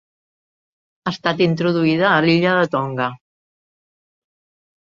Ha estat introduïda a l'illa de Tonga.